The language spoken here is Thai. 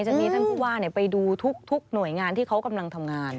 จะมีท่านผู้ว่าไปดูทุกหน่วยงานที่เขากำลังทำงาน